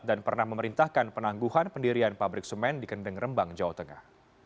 dan pernah memerintahkan penangguhan pendirian pabrik semen di kendeng rembang jawa tengah